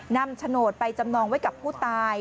โฉนดไปจำนองไว้กับผู้ตาย